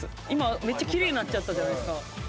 今めっちゃキレイになっちゃったじゃないですか。